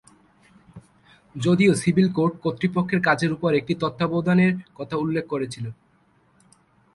যদিও civil code কর্তৃপক্ষের কাজের উপর একটি তত্ত্বাবধানের কথা উল্লেখ করেছিল।